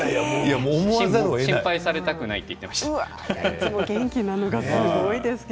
心配されたくないって言っていました。